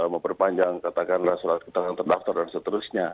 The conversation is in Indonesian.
memperpanjang katakanlah selat kita yang terdaftar dan seterusnya